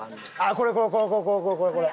これこれこれこれ！